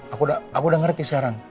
aku udah ngerti sekarang